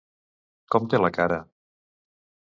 Com té la cara?